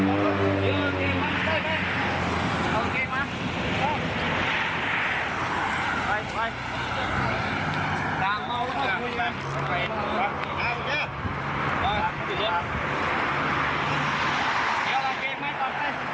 โอ้โฮ